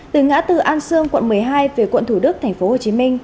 từ ngã tư an sương quận một mươi hai về quận thủ đức tp hcm